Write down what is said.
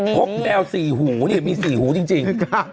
พวกแมวสี่หูนี่มีสี่หูจริงจริง